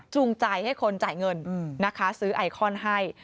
จูงจ่ายให้คนจ่ายเงินซื้อไอคอนให้